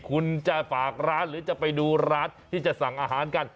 คุณจะฝากร้านหรือจะไปดูร้านที่จะสั่งอาหารกัน